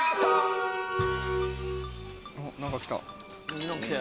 何か来た。